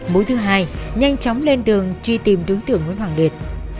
mũi thứ hai nhanh chóng lên đường truy tìm đối tượng nguyễn hoàng liệt